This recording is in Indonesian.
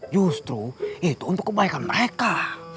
justru itu untuk kebaikan mereka